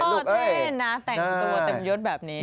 เท่นะแต่งตัวเต็มยุทธแบบนี้